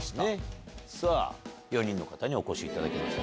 さぁ４人の方にお越しいただきました。